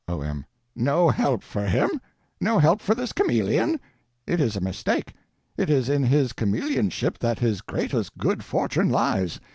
O.M. No help for him? No help for this chameleon? It is a mistake. It is in his chameleonship that his greatest good fortune lies.